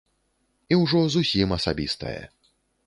І ўжо зусім асабістае.